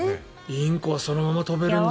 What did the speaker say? インコはそのまま飛べるんだよ。